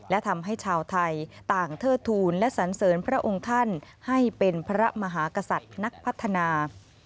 และทำให้ชาวไทยต่างเทิดทูลและสันเสริญพระองค์ท่านให้เป็นพระมหากษัตริย์นักพัฒนา